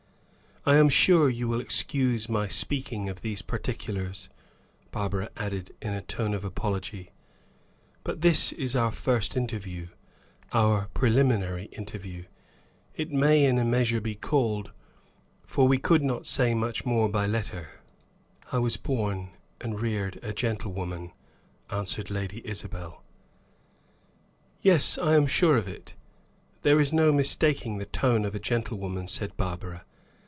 "I am sure you will excuse my speaking of these particulars," Barbara added, in a tone of apology, "but this is our first interview our preliminary interview, it may in a measure be called, for we could not say much by letter." "I was born and reared a gentlewoman," answered Lady Isabel. "Yes, I am sure of it; there is no mistaking the tone of a gentlewoman," said Barbara.